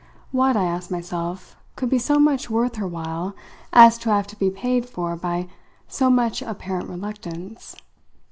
What, I asked myself, could be so much worth her while as to have to be paid for by so much apparent reluctance?